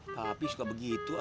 papi suka begitu ah